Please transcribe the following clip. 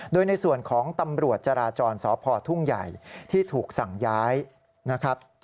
โดยในส่วนของตำรวจจราจรสพทุ่งใหญ่ที่ถูกสั่งย้ายนะครับ